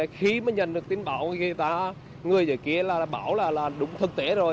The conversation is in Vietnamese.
khi nhận được tin báo người dưới kia bảo là đúng thực tế rồi